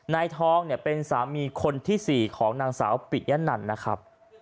นายทองเนี่ยเป็นสามีคนที่๔ของนางสาวปิยะนันนะครับ